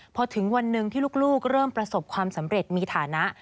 พอถึงวันหนึ่งที่ลูกเริ่มประสบความสำเร็จมีฐานะ